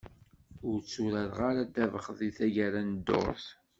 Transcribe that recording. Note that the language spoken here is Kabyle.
Ur tturareɣ ara ddabex deg taggara n ddurt.